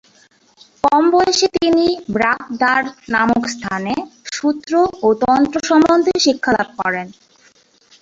কম বয়সে তিনি ব্রাগ-দ্বার নামক স্থানে সূত্র ও তন্ত্র সম্বন্ধে শিক্ষালাভ করেন।